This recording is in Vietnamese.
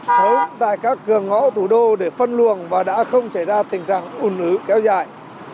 sớm tại các cửa ngõ thủ đô để phân luồng và đã không chảy ra tình trạng ồn ứ kéo dài